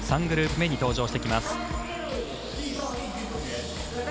３グループ目に登場してきます。